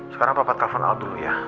sekarang papa telfon al dulu ya